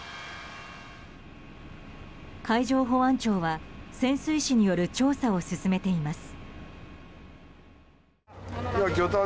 海上保安庁は、潜水士による調査を進めています。